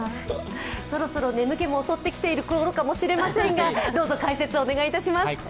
そろそろ眠気も襲ってきているころかもしれませんが、どうぞ解説、お願いいたします。